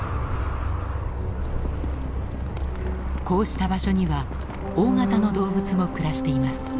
こうした場所には大型の動物も暮らしています。